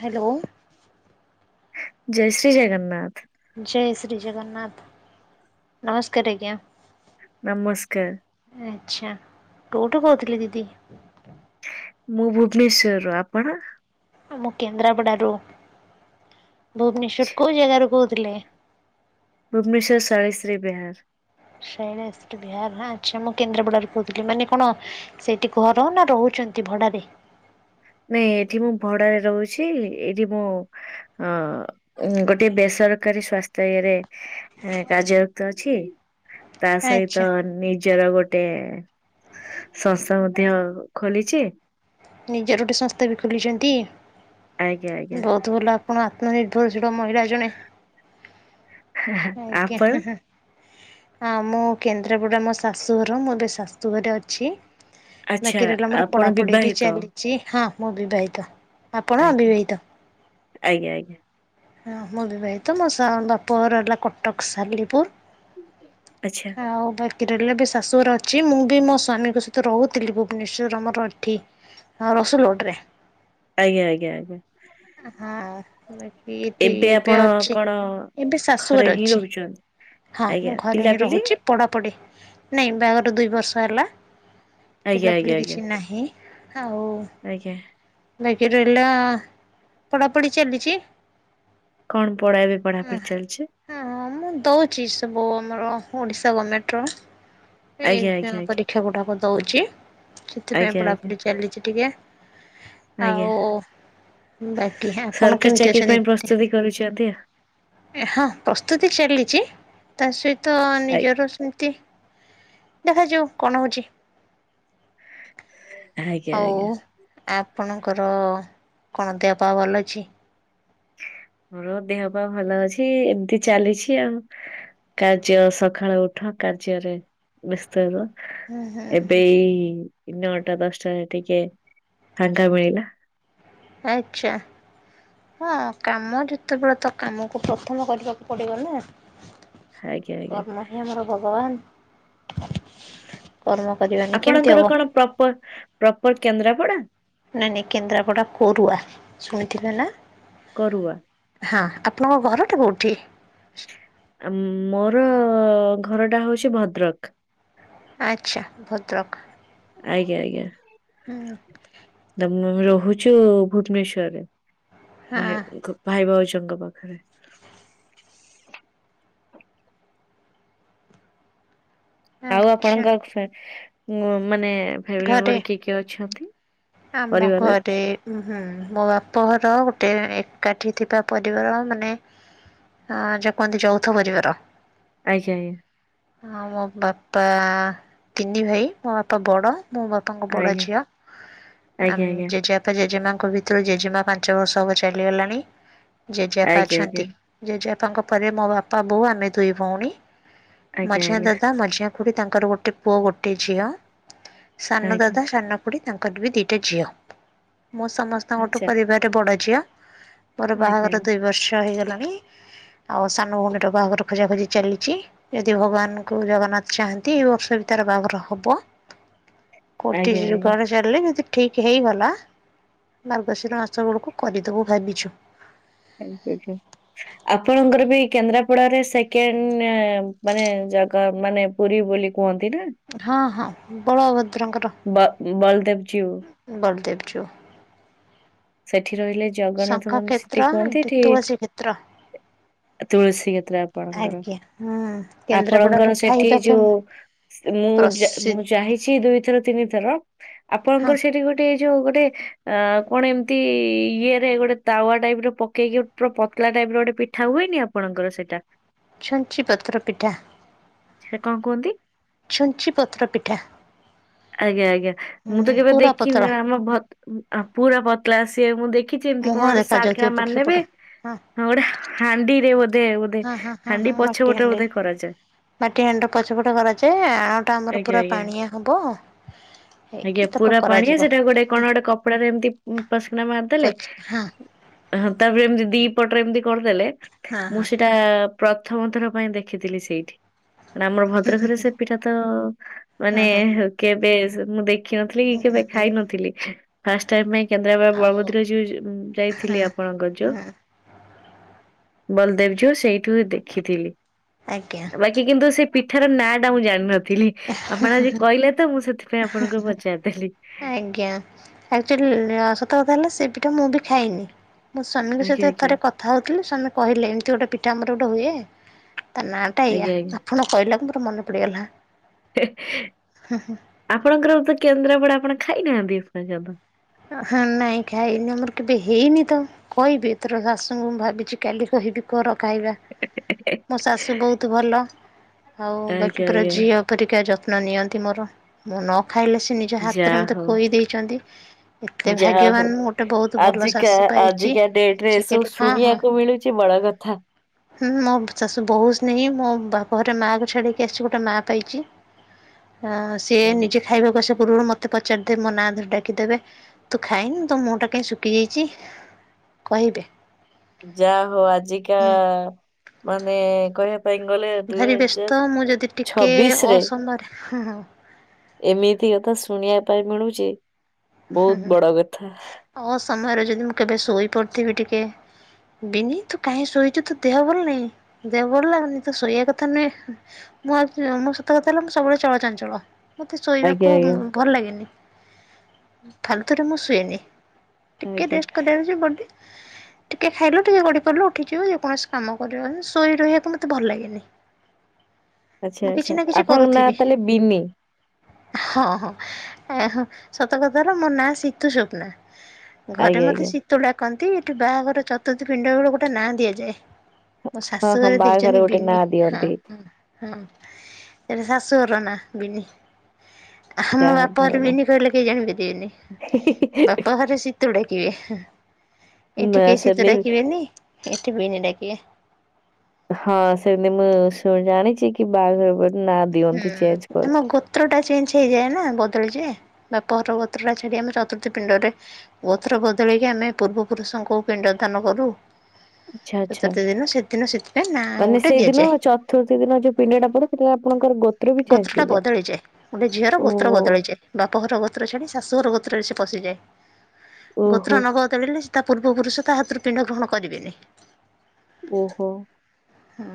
Hello. ଜୟ ଶ୍ରୀ ଜଗନ୍ନାଥ। ଜୟ ଶ୍ରୀ ଜଗନ୍ନାଥ ନମସ୍କାର ଆଜ୍ଞା। ନମସ୍କାର। ଆଚ୍ଛା କୋଉଠୁ କୋହୁଥିଲେ ଦିଦି? ମୁଁ ଭୁବନେଶ୍ଵର ରୁ, ଆପଣ? ମୁଁ କେନ୍ଦ୍ରାପଡାରୁ, ଭୁବନେଶ୍ୱର କୋଉ ଜାଗାରୁ କହୁଥିଲେ? ଭୁବନେଶ୍ୱର ସୈଳେଶ୍ରୀ ବିହାର। ଶୈଳେଶ୍ରୀ ବିହାର ହାଁ ଆଚ୍ଛା ମୁଁ କେନ୍ଦ୍ରାପଡାରୁ କୋହୁଥିଲି ମାନେ କଣ ସେଇଠି ଘର ନା ରହୁଛନ୍ତି ଭଡାରେ? ନାଇଁ ଏଠି ମୁଁ ଭଡାରେ ରହୁଚି ଏଇଠି ମୁଁ। ଅ ଅ ଗୋଟେ ବେସରକାରୀ ସ୍ଵାସ୍ଥ୍ୟ ଇଏରେ। ଏ କାର୍ଯ୍ୟରତ ଅଛି ତା ଆଚ୍ଛା ସହିତ ନି ନିଜର ଗୋଟେ ସଂସ୍ଥା ମଧ୍ୟ ଖୋଲିଛି। ନିଜର ଗୋଟେ ସଂସ୍ଥା ବି ଖୋଲିଛନ୍ତି ଆଜ୍ଞା ଆଜ୍ଞା ବହୁତ ଭଲ ଆ ଆପଣ ଆତ୍ମନିର୍ଭରଶୀଳ ମହିଳା ଜଣେ ଆଜ୍ଞା ଆପଣ ହାଁ ହାଁ। ଆଉ ମୁଁ କେନ୍ଦ୍ରାପଡ଼ା ମୋ ଶାଶୁଘର ମୁଁ ଏବେ ଶାଶୁଘରେ ଅଛି। ଆଚ୍ଛା ବାକି ରହିଲା ମୋର ଆପଣ ପଢ଼ ପଢ଼ି ବି। ବିବାହିତ ଚି ହଁ ମୁଁ ବିବାହିତ। ଆପଣ ଆଜ୍ଞା ଅବିବାହିତ? ଆଜ୍ଞା ଆଜ୍ଞା ହଁ ମୁଁ ବିିବାହିତ ମୋ ସା ବାପ ଘର ହେଲା କଟକ ସାଲିପୁର। ଆଚ୍ଛା। ଆଉ ବାକି ରହିଲା ଏବେ ଶାଶୁଘର ଅଛି ମୁଁ ବି ମୋ ସ୍ୱାମୀଙ୍କ ସହିତ ରହୁଥିଲି ଭୁବନେଶ୍ଵର ଆମର ଏଠି। ହଁ ରସୁଲଗଡ ରେ। ଆଜ୍ଞା ଆଜ୍ଞା ଆଜ୍ଞା। ହଁ ବାକି ଏଠି ଏବେ ଆପଣ ଅଛି କଣ ଏବେ ଘରେ ଶାଶୁଘରେ ହିଁ ଅଛି। ରହୁଛନ୍ତି? ହଁ ଆଜ୍ଞା ମୁଁ ଘରେ ହିଁ ପିଲାପିଲି ରହୁଚି। ପଢ଼ାପଢ଼ି ନାଇଁ ବାହାଘର ଦୁଇ ବର୍ଷ ହେଲା ଆଜ୍ଞା ଆଜ୍ଞା ପିଲାପିଲି ଆଜ୍ଞା କିଛି ନାହିଁ। ଆଉ। ଆଜ୍ଞା। ବାକି ରହିଲା ପଢାପଢି ଚାଲିଛି। କଣ ପଢା ଏବେ ପଢାପଢି ଚାଲିଛି? ହଁଁ ମୁଁ ଦଉଛି ସବୁ ଆମର ଓଡିଶା ଗମେଣ୍ଟର। ଏ ଆଜ୍ଞା ଆଜ୍ଞା ଅଁ ଆଜ୍ଞା ପରୀକ୍ଷା ଗୁଡାକ ଦଉଛି ସେଥିପାଇଁ ଆଜ୍ଞା ପଢ଼ା ଆଜ୍ଞା ଚାଲିଛି ଟିକେ। ଆଜ୍ଞା ଆଉ ବାକି ଆପଣ ସରକାରୀ କେମିତି ଚାକିରି ଅଛନ୍ତି ପାଇଁ ଦି ପ୍ରସ୍ତୁତି କରୁଛନ୍ତି ଆଉ। ଏ ହଁ ପ୍ରସ୍ତୁତି ଚାଲିଛି ତା ସହିତ ଆଜ୍ଞା ନିଜର ସେମିତି। ଦେଖାଯାଉ କଣ ହଉଛି। ଆଜ୍ଞା ଆଉ ଆଜ୍ଞା ଆପଣଙ୍କର କଣ ଦେହ ପାହା ଭଲ ଅଛି? ମୋର ଦେହ ପା ଭଲ ଅଛି ଏମିତି ଚାଲିଛି ଆଉ। କାର୍ଯ୍ୟ ସକାଳୁ ଉଠ କାର୍ଯ୍ୟରେ। ବିସ୍ତାର ଏବେ ଏଇ। ନଅଟା, ଦଶଟାରେ ଟିକେ ଫାଙ୍କା ମିଳିଲା। ଆଚ୍ଛା। ହଁ କାମ ଯେତେବେଳେ ତ କାମକୁ ପ୍ରଥମ କରିବାକୁ ପଡିବ ନା। ଆଜ୍ଞା ଆଜ୍ଞା କର୍ମ ହିଁ ଆମର ଭଗବାନ। କର୍ମ କରିବାନି କେମିତି ଆପଣଙ୍କର ହବ? କଣ ପ୍ରପର ପ୍ରପର କେନ୍ଦ୍ରାପଡା? ନାଇ ନାଇ କେନ୍ଦ୍ରାପଡ଼ା କୋରୁଆ। ଶୁଣିଥିଲେ ନା? କରୁଆ। ହଁ ଆପଣଙ୍କ ଘରଟା କୋଉଠି? ଆମ ମୋର ଘର ଟା ହଉଛି ଭଦ୍ରକ। ଆଚ୍ଛା ଭଦ୍ରକ। ଆଜ୍ଞା ଆଜ୍ଞା। ହୁଁ। ଦ ଆମେ ରହୁଛୁ ଭୁବନେଶ୍ଵରରେ ହଁ ଭାଇଙ୍କ। ଭାଇ ଭାଉଜଙ୍କ ପାଖରେ। ଆଉ ଆଚ୍ଛା ଆପଣଙ୍କ ଫ୍ୟା ଉଁ ମାନେ ଫ୍ୟାମିଲି ଘରେ ମେମ୍ବର କିଏ କିଏ ଅଛନ୍ତି? ଆମ ପରିବାରରେ? ଘରେ। ଉ ହୁଁ ମୋ ବାପଘର ଗୋଟେ ଏକାଠି ଥିବା ପରିବାର ମାନେ। ହଁ ଯୋ କୁହନ୍ତି ଯୌଥ ପରିବାର। ଆଜ୍ଞା ଆଜ୍ଞା। ଆଉ ମୋ ବାପା ତିନି ଭାଇ ମୋ ବାପା ବଡ଼ ମୋ ବାପାଙ୍କ ବଡ଼ ଆଜ୍ଞା ଝିଅ। ଆମ ଆଜ୍ଞା ଆଜ୍ଞା ଜେଜେବାପା ଜେଜେମାଙ୍କ ଭିତରୁ ଜେଜେମା ପାଞ୍ଚ ବର୍ଷ ହବ ଚାଲିଗଲାଣି। ଜେଜେବାପା ଆଜ୍ଞା ଅଛନ୍ତି ଜେଜେବାପାଙ୍କ ପରେ ମୋ ବାପା ବୋଉ ଆମେ ଦୁଇ ଭଉଣୀ ମଝିଆ ଆଜ୍ଞା ଦାଦା ମଝିଆ ଖୁଡି ତାଙ୍କର ଗୋଟେ ପୁଅ ଗୋଟେ ଝିଅ ସାନ ଆଜ୍ଞା ଦାଦା ସାନ ପୁଣି ତାଙ୍କର ବି ଦିଟା ଝିଅ ମୁଁ ସମସ୍ତଙ୍କଠୁ ଆଜ୍ଞା ଆଜ୍ଞା ଆଜ୍ଞା ଆଚ୍ଛା ପରିବାରରେ ବଡ଼ ଝିଅ। ମୋର ଆଜ୍ଞା ବାହାଘର ଦୁଇ ବର୍ଷ ହେଇଗଲାଣି ଆଉ ସାନ ଭଉଣୀର ବାହାଘର ଖୋଜାଖୋଜି ଚାଲିଛି। ଯଦି ଭଗବାନଙ୍କୁ ଜଗନ୍ନାଥ ଚାହାନ୍ତି ଏଇ ବର୍ଷ ବି ତାର ବାହାଘର ହବ। କୋଠି ଆଜ୍ଞା ଆଜ୍ଞା। [unintelligible] ଯଦି ଠିକ୍ ହେଇଗଲା ମାର୍ଗଶିର ମାସ ବେଳକୁ କରିଦେବୁ ଭାବିଛୁ। [unintelligible] ଆପଣଙ୍କର ବି କେନ୍ଦ୍ରାପଡାରେ ସେକେଣ୍ଡ ମାନେ ଜାଗା ମାନେ ପୁରୀ ବୋଲି କୁହନ୍ତି ନା। ହଁ ହଁ ବଳଭଦ୍ରଙ୍କର ବ ବଳଦେବ ଜୀଉ ବଳଦେବ ଯିଉ। ସେଠି ରହିଲେ ଶଙ୍ଖ ଜଗନ୍ନାଥ ମନ୍ଦିର କ୍ଷେତ୍ର ସେଠି କୁହନ୍ତି ଏଠି ତୁଳସୀ କ୍ଷେତ୍ର ତୁଳସୀ କ୍ଷେତ୍ର ଆପଣଙ୍କର ଆଜ୍ଞା ହୁଁ କେନ୍ଦ୍ରାପଡ଼ାର ଆପଣଙ୍କର ସେଠି ଖାଇବା ଫେମ ଯୋଉ ମୁଁ ପ୍ରସି ମୁଁ ଜା-ଜାହିଁଛି ଦୁଇଥର ତିନି ଥର ହଁ ଆପଣଙ୍କର ସେଠି ଗୋଟେ ଯୋଉ ଗୋଟେ ଆଁ କଣ ଏମତି ତି ଇଏରେ ଗୋଟେ ତାୱା ଟାଇପ ର ପକେଇକି ପୁରା ପତଳା ଟାଇପ ର ଗୋଟେ ପିଠା ହୁଏନି ଆପଣଙ୍କର ସେଇଟା ଛୁଞ୍ଚି ପତ୍ର ପିଠା। ସେ କଣ କୁହନ୍ତି। ଛୁଞ୍ଚି ପତ୍ର ପିଠା। ଆଜ୍ଞା ଆଜ୍ଞା ହୁଁ ମୁଁ ହୁଁ ତ କେବେ ପୁରା ଦେଖିନି ପତଳା ନା ଆମ ଭ ପୁରା ପତଳା ସିଏ ମୁଁ ଦେ ଦେଖିଛି ଏମତି ମୁହଁ କଣ ଗୋଟେ ସାର୍ଟ ଦେଖାଯାଉଥିବ କିନା ଏପଟ ସେପଟ ମାରିନେବେ। ହଁ ଗୋଟେ ହାଣ୍ଡି ରେ ବୋଧେ ବୋଧ ହଁ ହଁ ହଁ ହାଣ୍ଡି ହଁ ପଛ ମାଟି ପଟ ହାଣ୍ଡି ଓଦା କରାଯାଏ। ମାଟି ହାଣ୍ଡିର ପଛପଟ କରାଯାଏ। ଆଉ ଟା ଆମର ଆଜ୍ଞା ପୁରା ଆଜ୍ଞା। ପାଣିଆ ହବ। ହେଇକି ଆଜ୍ଞା! ତାକୁ ପୁରା ପାଣିଆ କରାଯିବ ସେଠାରେ ଗୋଟେ କଣ ଗୋଟେ କପଡାରେ ଏମିତି ପସ୍ କିନା ମାରିଦେଲେ। ପଚ୍ ହଁ ହଁ ତାପରେ ଏମିତି ଦିପଟରେ ଏମିତି କରିଦେଲେ। ହଁ ମୁଁ ହଁ ସେଇଟା ପ୍ରଥମଥର ପାଇଁ ଦେଖିଥିଲି ସେଇଠି। ଆମର ଭଦ୍ରକ ରେ ସେ ପିଠା ତ ହଁ ମାନେ ହଁ କେବେ ମୁଁ ଦେଖି ଶଖିନଥିଲି କି କେବେ ଖାଇ ନଥିଲି। ଫାର୍ଷ୍ଟ ଟାଇମ ପାଇଁ କେନ୍ଦ୍ରାପଡ଼ା ଆଉ ବଳଭଦ୍ର ଜୀଉ ଯାଇଥିଲି ଆପଣଙ୍କର ଯୋଉ ହଁ ବଲଦେବ ଜୀଉ ସେଇଠୁ ହଁ ଦେଖିଥିଲି। ଆଜ୍ଞା। ବାକି କିନ୍ତୁ ସେ ପିଠାର ନାଁ ଟା ମୁଁ ଜାଣିିନଥିଲି? ଆପଣ ଆଜି କହିଲେ ତ ମୁଁ ସେଥିପାଇଁ ଆପଣଙ୍କୁ ପଚାରିଦେଲି। ଆଜ୍ଞା ଆକଚୁଆଲି ସତ କଥା ହେଲା ସେ ପିଠା ମୁଁ ବି ଖାଇନି। ମୋ ସ୍ୱାମୀଙ୍କ ଆଜ୍ଞା ସହିତ ଆଜ୍ଞା ଥରେ କଥା ହେଉଥିଲି। ସ୍ୱାମୀ କହିଲେ ଏମିତି ଗୋଟେ ପିଠା ଆମର ଗୋଟେ ହୁଏ। ତା ନାଁଟା ଏଇଆ। ଆଜ୍ଞା ଆଜ୍ଞା। ଆପଣ କହିଲା ପରେ ମନେ ପଡ଼ିଗଲା। ହେଏ ହୁଁ ହୁଁ। ଆପଣଙ୍କର ତ କେନ୍ଦ୍ରାପଡା ଆପଣ ଖାଇନାହାନ୍ତି [unintelligible] ହଁ ନାଇଁ ଖାଇନି ଆମର କେବେ ହେଇନି ତ? କହିବି ତୋର ଶାଶୁଙ୍କୁ। ମୁଁ ଭାବିଛି କାଲି କହିବି। ଘର ଖାଇବା ମୋ ଏପର୍ଯ୍ୟନ୍ତ। ଶାଶୁ ବହୁତ ଭଲ ଆଉ ଆଜ୍ଞା ବାକି ପୁରା ଆଜ୍ଞା ଝିଅ ଏପରିକା ଯତ୍ନ ନିଅନ୍ତି ମୋର ମୁଁ ନ ଖାଇଲେ ସେ ନିଜ ହାତରେ ଯାହା ମୋତେ ହଉ ଖୋଇଦେଇଛନ୍ତି। ଯାହା ହଉ ଭଲ ଆଜିକା ଶାଶୁ ପାଇଛି ଆଜିକା ଡେଟରେ ଏସବୁ ଆଜିକାଲି ହଁ ଶୁଣିବାକୁ ମିଳୁଛି ବଡ କଥା। ଥା ହିଁ ମୋ ଶାଶୁ ବହୁତ ସ୍ନେହି। ମୁଁ ବାପ ଘରେ ମାଆକୁ ଛାଡିକି ଆସିଛି ଗୋଟେ ମା ପାଇଛି। ଓ ସିଏ ଉଁ, ନିଜେ ଖାଇବାକୁ ଆସିବା ପୂର୍ବରୁ ମତେ ପଚାରି ଦେବେ। ମୋ ନାଁ ଧରି ଡାକିଦେବେ। ତୁ ଖାଇନୁ ତୋ ମୁହଁଟା କାହିଁ ଶୁଖି ଯାଇଛି। କହିଦେ ଯା ହଉ ଆଜିକା ମାନେ କହିବା ପାଇଁ ଗଲେ ଦୁଇ ଭାରି ହଜାର ଛବିଶ ରେ [inaudible] ହାଁ - ହାଁ ଏମିତି କଥା ଶୁଣିବା ପାଇଁ ମିଳୁଚି। ହୁଁ [inaudible] ଅ ସମୟରେ ଯଦି ମୁଁ କେବେ ଶୋଇପଡ଼ିଥିବି ଟିକେ ବିିନି ତୁ କାହିଁ ଶୋଇଛୁ, ତୁ ଦେହ ଭଲ ନାଇ ଦେହ ଭଲ ଲାଗୁନି, ତୁ ଶୋଇବା କଥା ନୁହେଁ? ମୁଁ ଆଉ ମୋ ସତ କଥା ହେଲା ମୁଁ ସବୁବେଳେ ଚଳଚଞ୍ଚଳ। ମତେ ଆଜ୍ଞା ଶୋଇବାକୁ ଆଜ୍ଞା ଭଲ ଲାଗେନି। ଫାଲତୁ ସୁଏନି ଟିକେ ଆଜ୍ଞା ରେଷ୍ଟ କରାଉଛି ବଡି। ଟିକେ ଖାଇଲୁ ଟିକେ ଗଡ଼ି ପଡିଲୁ ଉଠିଯିବୁ ଯେକୌଣସି କାମ କରିବୁ ମାନେ ଶୋଇ ରହିବାକୁ ମୋତେ ଭଲ ଲାଗେନି। ଆଚ୍ଛା! ମୁଁ କିଛି ଆଚ୍ଛା! ଆପଣଙ୍କ ନାଁ ତାହେଲେ ବିନି? ହ ହ ଏହ ସତ କଥା ହେଲା ମୋ ନାଁ ସିତୁସ୍ଵପ୍ନା। ଘରେ ଆଜ୍ଞା ମତେ ଆଜ୍ଞା ଶୀତୁ ଡାକନ୍ତି। ଏଠି ବାହାଘର ଚତୁର୍ଥୀ ପିଣ୍ଡ ବେଳକୁ ଗୋଟିଏ ନାଁ ଦିଆଯାଏ। ହଁ ଶାଶୁ ହଁ ଘରେ ବାହାଘରେ ଦେଇଛନ୍ତି ଗୋଟେ ବିିନି। ନାଁ ହଁ ଦିଅନ୍ତି ହଁ ହଁ ଏଟା ଶାଶୁ ଘର ନା ବିିନି? ହଁ ମୋ ଯାହା ହଉ ବାପ ଭଲ ଘରେ ନାଁ। ବିନି କହିଲେ କେହି ଜାଣି ପାରିବେନି। ବାପ ଘରେ ଶି ତୁ ଡାକିବେ। ନା ଏଠି କେହି ଶୀତୁ ସେମିତି ଡାକିବେନି। ଏଠି ବିନି ଡାକିବେ। ହଁ, ସେମିତି ମୁଁ ଶୁ ଜାଣିଚି କି ବାହାଘର ପରେ ନା ଦିଅନ୍ତି ଚେଞ୍ଜ କ ଗୋତ୍ରଟା ଚେଞ୍ଜ ହେଇଯାଏ ନା ବଦଳିଯାଏ। ବାପର ଗୋତ୍ର ଛାଡ଼ି ଆମେ ଚତୁର୍ଥୀ ପିଣ୍ଡରେ ଗୋତ୍ର ବଦଳେକି ଆମେ ପୂର୍ବ ପୁରୁଷଙ୍କୁ ପିଣ୍ଡ ଦାନ କରୁ। ଆଚ୍ଛା ଆଚ୍ଛା। ଚତୁର୍ଥ ଦିନ ସେଦିନ ସେଥିପାଇଁ ନା ଗୋଟେ ଦିଆଯାଏ। ତୁର୍ଥ ଦିନ ଯଉ ପିଣ୍ଡଟା ପଡେ ସେଟା ଆପଣଙ୍କ ଗୋତ ଗୋତ୍ରଟା ବଦଳିଯାଏ ଗୋଟେ ଝିଅର ଗୋତ୍ର ଓହୋ। ବଦଳିଯାଏ। ବାପଘର ଗୋତ୍ର ଛାଡ଼ି ଶାଶୁଘର ଗୋତ୍ରରେ ସେ ପଶିଯାଏ। ଓହୋ ଗୋତ୍ର ନବ ଳିଲେ ସେ ତା ପୂର୍ବ ପୁରୁଷ ତା ହାତରୁ ପିଣ୍ଡ ଗ୍ରହଣ କରିବେନି। ଓହୋ! ହୁଁ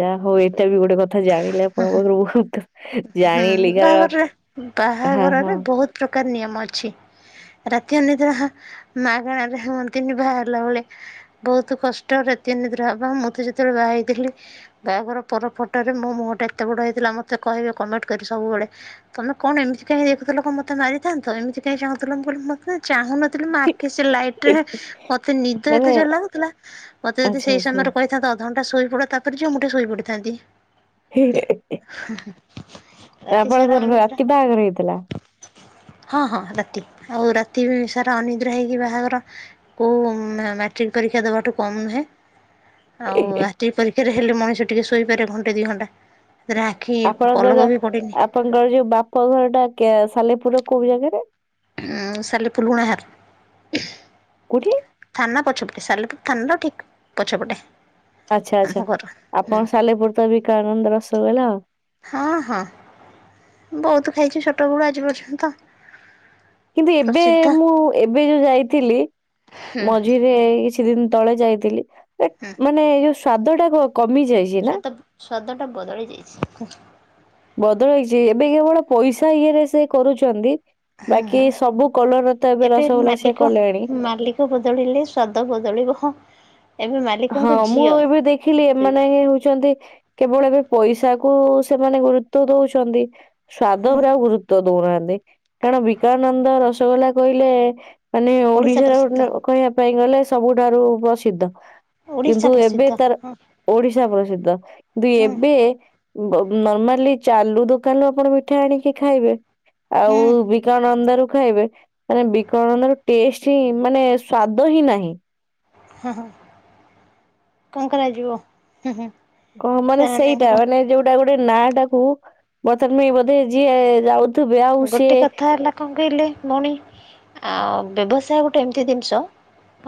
ଯା ହଉ ଏଇଟା ବି ଗୋଟେ କ ଥା ଜାଣିଲେ ଆପଣ ପାଖରୁ [inaudible] ହୁଁ, ଜାଣିଲି କାରଣ ବାହାଘରରେ ହଁ ହଁ। ବାହାଘରରେ ବହୁତ ପ୍ରକାର ନିୟମ ଅଛି। ରାତି ଅନିଦ୍ରା ମାଗଣାରେରେ ହନ୍ତିନି ବାହାହେଲା ବେଳେ। ବହୁତ କଷ୍ଟ ରାତି ଅନିଦ୍ରା ହବା ମୁଁ ତ ଯେତେବେଳେ ବାହା ହେଇଥିଲି। ବହାଘର ପର ଫଟୋରେ ମୋ ମୁହଁ ଟା ଏତେ ବଡ ହେଇଥିଲା ମତେ କହିବେ କମେଣ୍ଟ କରି ସବୁବେଳେ। ତମେ କଣ ଏମିତି କାହିଁ ଦେଖୁଥିଲ କଣ ମତେ ମାରିଥାନ୍ତ ତ? ଏମିତି କାହିଁ ଚାହୁଥିଲ ବୋଲି ମତେ ଚାହୁଁନଥିଲି ମ ଆଖ କି ସେ ଲାଇଟ ରେ ମତେ ନିଦ ଏତେ ମାନେ ଜୋର ଲାଗୁଥିଲା। ମତେ ଯଦି ଆଚ୍ଛା ସେଇ ଆଚ୍ଛା। ସମୟରେ କହିଥାନ୍ତ ଅ ଧଣ୍ଟା ଶୋଇପଡ ତାପରେ ଯିବ ମୁଁ ଟିକେ ଶୋଇ ପଡିଥାନ୍ତି। [inaudible] ରାତି ସାରା ଆପଣଙ୍କର ଅନିଦ୍ରା ରାତି ବାହାଘର ହେଇଥିଲା ହଁ ହଁ, ରାତି ଆଉ ରାତି ବି ସାରା ଅନିଦ୍ରା ହେଇକି ବାହାଘର। କଉ ମାଟ୍ରିକ ପରୀକ୍ଷା ଦେବାଠୁ କମ୍ ନୁହେଁ। ଆଉ ମାଟ୍ରିକ୍ ପରୀକ୍ଷାରେ ହେଲେ ମଣିଷ ଟିକେ ଶୋଇପାରେ ଘଣ୍ଟେ ଦୁଇ ଘଣ୍ଟା ସେଥିରେ ଆଖି ପଲକ ର ବି ପଡ଼ିନି ଆପଣଙ୍କର ଯୋଉ ବାପ ଘରଟା ସାଲେପୁର କୋଉ ଜାଗାରେ। ସାଲେପୁର [inaudible] କୋଉଠି? ଥାନା ପଛପଟେ ସାଲେପୁର ଥାନାର ଠିକ ପଛପଟେ। ଆଚ୍ଛା ଆମ ଆଚ୍ଛା, ଘର ହୁଁ ଆପଣ ସାଲେପୁର ତ ବିକଳାନନ୍ଦ ରସଗୋଲା ଆଉ। ହଁ ହଁ, ବହୁତୁ ଖାଇଛୁ ଛୋଟ ବଳୁ ଆଜି ପର୍ଯ୍ୟନ୍ତ ତ କିନ୍ତୁ ଏବେ ମୁଁ ଏବେ ଯୋଉ ଯାଇଥିଲି ମଝିରେ ଏକି ଛି ଦିନ ତଳେ ଯାଇଥିଲି ମାନେ ଯୋଉ ସ୍ଵାଦଟା କ କମି ଯାଇ ସତ ସ୍ଵାଦଟା ବଦଳି ଯାଇଚି। ବଦଳିଛି ଏବେ କେବଳ ପଇସା ଇଏରେ ସେ କରୁଛନ୍ତି। ବାକି ସବୁ କଲର ତ ଏବେ ରସଗୋଲା କଲେଣି। ମାଲିକ ବଦଳିଲେ ସ୍ଵାଦ ବଦଳିବ। ଏବେ ମାଲିକଙ୍କ ହଁ ମୁଁ ଝିଅ ଏବେ ଦେଖିଲି ଦୁଇ ଏମାନେ ଜଣ ହିଁ ହଉଚନ୍ତି କେବଳ ଏବେ ପଇସା କୁ ସେମାନେ ଗୁରୁତ୍ବ ଦଉଚନ୍ତି ସ୍ବାଦ ଉପରେ ଆଉ ଗୁରୁ ତ୍ବ ଦଉନାହାନ୍ତି କାରଣ ବିକାନନ୍ଦ ରସଗୋଲା କହିଲେ ମାନେ ଓଡିଶା ଓଡିଶାର ପ୍ରସିଦ୍ଧ। ଗୋଟେ ଅ କହିବା ପାଇଁ ଗଲେ ସବୁଠାରୁ ପ୍ରସିଦ୍ଧ। ଓଡିଶା କିନ୍ତୁ ଏବେ ପ୍ରସିଦ୍ଧ ତାର ହଁ ଓଡିଶା ପ୍ରସିଦ୍ଧ କିନ୍ତୁ ହୁଁ ଏବେ ଵ ନର୍ମାଲି ଚାଲୁ ଦୋକାନରୁ ଆପଣ ମିଠା ଆଣିକି ଖାଇବେ ଆଉ ହୁଁ ବି ବିକଣନ୍ଦା ରୁ ଖାଇବେ ମାନେ ବିକଳାନନ୍ଦ ର ଟେଷ୍ଟ ହିଁ ମାନେ ସ୍ଵାଦ ହିଁ ନାହିଁ। ହଁ ହ କଣ କରାଯିବ ହୁଁ ହୁଁ। କହ ମାନେ ସେଇଟା ସେମାନଙ୍କର ମାନେ ଯୋଉଟା ଗୋଟେ ନା ଟାକୁ ବତମାନ ବୋଧେ ଯିଏ ଯାଉ ଗୋଟେ କଥା ହେଲା କଣ କହିଲେ ଭଉଣୀ ଆ ବ୍ୟବସାୟ ଗୋଟେ ଏମିତି ଜିନିଷ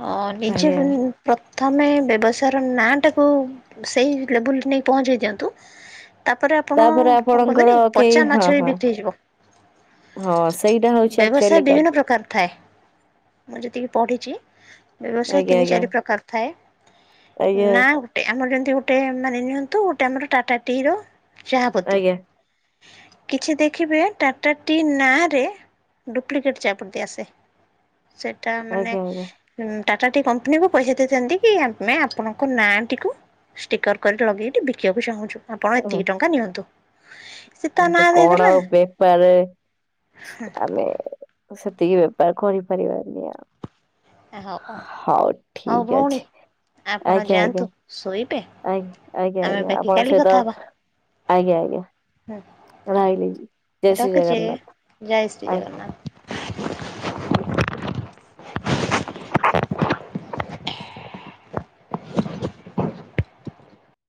ହଁ ନିଜେ ଆଜ୍ଞା ବେ ପ୍ରଥମେ ବ୍ୟବସାୟର ନାଁ ଟାକୁ ସେଇ ଲେବୁଲରେ ନେଇ ପହଞ୍ଚେଇ ଦିଅନ୍ତୁ। ତାପରେ ଆପଣ ତାପରେ ଆପଣଙ୍କର କୁହନ୍ତିନି କେହି ପଚା ହଁ ମାଛ ହଁ ବିକ୍ରି ହେଇଯିବ। ହଁ ସେଇଟା ହଉଛି ଆକ୍ଚୁଆଲି ବ୍ୟବସାୟ କ ବିଭିନ୍ନ ପ୍ରକାର ଥାଏ। ମୁଁ ଯେତିକି ପଢ଼ିଚି ବ୍ୟବସାୟ ଆଜ୍ଞା ତିନି ଆଜ୍ଞା ଚାରି ପ୍ରକାର ଥାଏ। ଆଜ୍ଞା ନା ଗୋଟେ ଆମର ଯେମିତି ଗୋଟେ ମାନେ ନିଅନ୍ତୁ ଗୋଟେ ଆମର ଟାଟା ଟି ର ଚାହାପତି। ଆଜ୍ଞା କିଛି ଦେଖିବେ ଟାଟା ଟି ନାଁରେ ଡୁପ୍ଲିକେଟ୍ ଚା ପତି ଆସେ। ସେଟା ମାନେ ଆଜ୍ଞା ଆଜ୍ଞା ହୁଁ ଟାଟା ଟି କମ୍ପାନୀକୁୁ ପଇସା ଦେଇଥାନ୍ତି କି ଆମେ ଆପଣଙ୍କ ନାଁଟିକୁ ଷ୍ଟିକର କରି ଲଗେଇକି ବିକିବାକୁ ଚାହୁଁଛୁ ଆପଣ ଏତିକି ଟଙ୍କା ନିଅନ୍ତୁ। ସେ ତା କୁହନ୍ତୁ ନାଁ କଣ ଦେଇଦେଲା ବେପାର ରେ ଆମେ ସେତିକି ବେପାର କରି ପାରିବାନି ହଉ ଆମେ। ହଉ ହଉ ଠିକ ଭଉଣୀ ଅଛି। ଆପଣ ଆଜ୍ଞା ଆଜ୍ଞା ଯାଆନ୍ତୁ ଶୋଇବେ ଆ ଆଜ୍ଞା ଆମେ ଆଜ୍ଞା ବାକି ଆପଣ କାଲି କଥା ସହିତ ହବା ଆଜ୍ଞା ଆଜ୍ଞା ହୁଁ। ରହିଲି ଜୟ ଶ୍ରୀ ରଖୁଛି ଆଜ୍ଞା ଜଗନ୍ନାଥ ଜୟ ଶ୍ରୀ ଆଜ୍ଞା। ଜଗନ୍ନାଥ। ହ [inaudible]